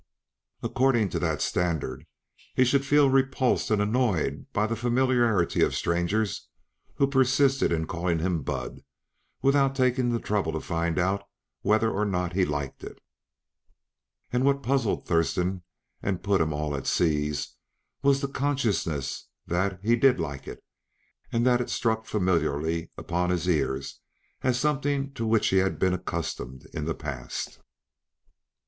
According to that standard, he should feel repulsed and annoyed by the familiarity of strangers who persisted in calling him "Bud" without taking the trouble to find out whether or not he liked it. And what puzzled Thurston and put him all at sea was the consciousness that he did like it, and that it struck familiarly upon his ears as something to which he had been accustomed in the past.